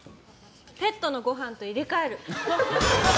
ペットのごはんと入れ替える。